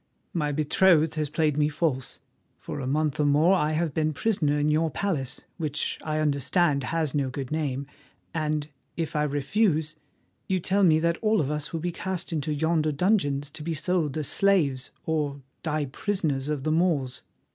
My betrothed has played me false. For a month or more I have been prisoner in your palace, which I understand has no good name, and, if I refuse, you tell me that all of us will be cast into yonder dungeons to be sold as slaves or die prisoners of the Moors.